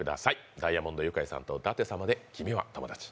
ダイアモンド☆ユカイさんと舘様で「君はともだち」。